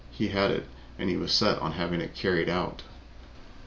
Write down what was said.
He had it, and he was set on having it carried out.